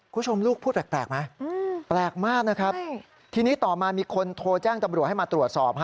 คุณผู้ชมลูกพูดแปลกไหมแปลกมากนะครับทีนี้ต่อมามีคนโทรแจ้งตำรวจให้มาตรวจสอบ